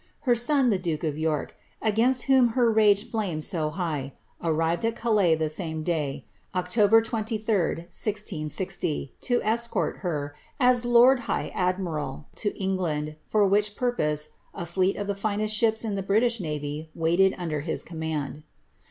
Her son, the duke of York, gaioit whom her rage flamed so high, arrived at Calais the same day, Ket f f, 1660, to escort her, as lord high admiral, to England, for which rurpose a fleet of the finest ships in the British navy waited under his ommand.